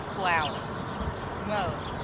of flour. Mode.